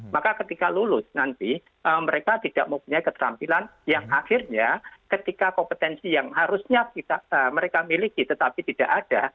maka ketika lulus nanti mereka tidak mempunyai keterampilan yang akhirnya ketika kompetensi yang harusnya mereka miliki tetapi tidak ada